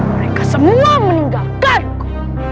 mereka semua meninggalkanku